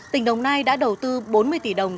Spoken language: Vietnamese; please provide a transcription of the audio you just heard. tỉnh đồng nai đã đầu tư bốn mươi tỷ đồng